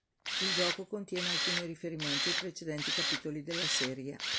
Il gioco contiene alcuni riferimenti ai precedenti capitoli della serie.